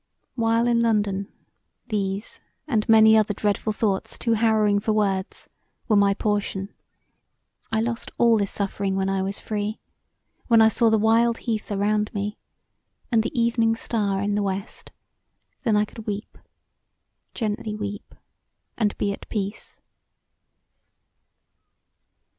While in London these and many other dreadful thoughts too harrowing for words were my portion: I lost all this suffering when I was free; when I saw the wild heath around me, and the evening star in the west, then I could weep, gently weep, and be at peace.